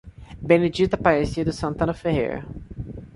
Benedito Aparecido Santana Ferreira